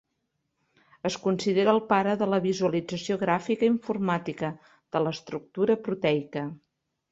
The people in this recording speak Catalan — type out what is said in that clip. Es considera el pare de la visualització gràfica informàtica de l'estructura proteica.